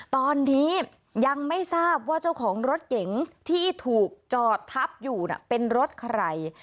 ตอนนี้ยังไม่ทราบว่าเจ้าของรถเก๋งที่ถูกจอดทับอยู่เป็นรถใคร